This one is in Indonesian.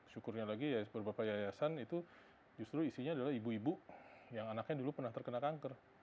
syukurnya lagi ya beberapa yayasan itu justru isinya adalah ibu ibu yang anaknya dulu pernah terkena kanker